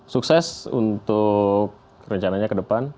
sukses untuk rencananya ke depan